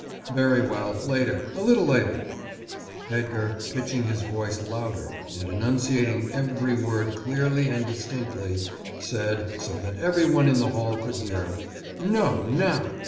"Very well, later, a little later." Edgar, pitching his voice louder and enunciating every word clearly and distinctly, said, so that everyone in the hall could hear: "No, now.